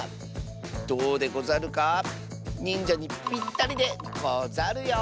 どうでござるか？にんじゃにぴったりでござるよ。